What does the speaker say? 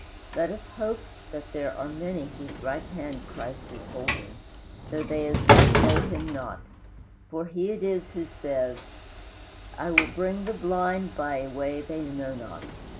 Let us hope that there are many whose right hand Christ is holding, though they as yet know him not; for He it is who says: "I will bring the blind by a way they know not.